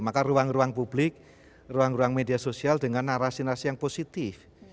maka ruang ruang publik ruang ruang media sosial dengan narasi narasi yang positif